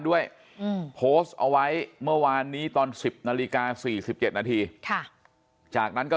ด้วยโพสต์เอาไว้เมื่อวานนี้ตอน๑๐นาฬิกา๔๗นาทีจากนั้นก็